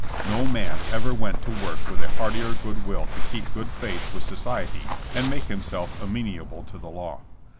No man ever went to work with a heartier good will to keep good faith with society and make himself amenable to the law.